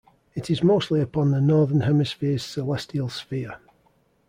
It is mostly upon the Northern Hemisphere's celestial sphere.